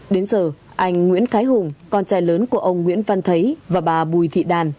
đến giờ anh nguyễn khái hùng con trai lớn của ông nguyễn phan thấy và bà bùi thị đàn